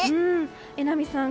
榎並さん